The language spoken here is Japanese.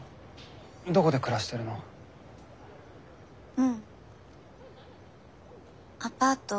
うんアパート